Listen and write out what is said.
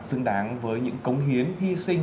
xứng đáng với những cống hiến hy sinh